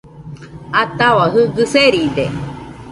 Atahua Jɨgɨ seride